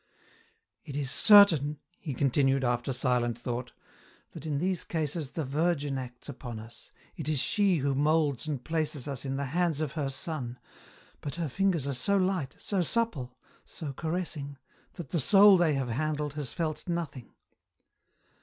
" It is certain," he continued, after silent thought, " that in these cases the Virgin acts upon us, it is she who moulds and places us in the hands of her Son, but her lingers are so light, so supple, so caressing, that the soul they have handled has felt nothing.